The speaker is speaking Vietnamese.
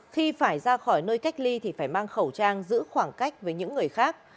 khi phải ra khỏi nơi cách ly thì phải mang khẩu trang giữ khoảng cách với những người khác